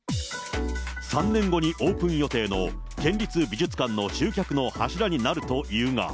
３年後にオープン予定の県立美術館の集客の柱になるというが。